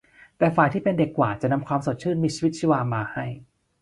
แต่ฝ่ายที่เป็นเด็กกว่าจะนำความสดชื่นมีชีวิตชีวามาให้